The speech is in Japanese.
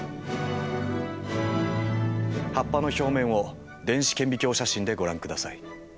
葉っぱの表面を電子顕微鏡写真でご覧ください。